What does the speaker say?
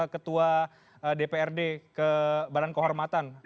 ketua dprd ke badan kehormatan